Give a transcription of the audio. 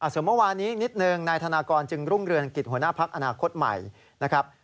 อสมวันนี้นิดนึงนายทะนากรจึงรุ่งเรือนกิจหัวหน้าพักอนาคตใหม่นะครับ